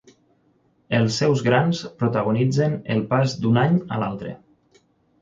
Els seus grans protagonitzen el pas d'un any a l'altre.